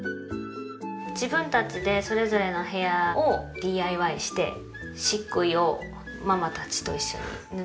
自分たちでそれぞれの部屋をＤＩＹして漆喰をママたちと一緒に塗って。